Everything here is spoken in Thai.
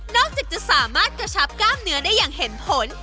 จากจะสามารถกระชับกล้ามเนื้อได้อย่างเห็นผล